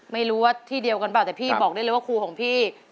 ไม่รู้ว่าที่เดียวกันเปล่าแต่พี่บอกได้เลยว่าครูของพี่